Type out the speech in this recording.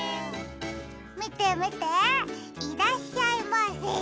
みてみていらっしゃいませ。